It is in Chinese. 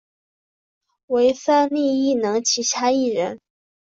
为三立艺能旗下艺人。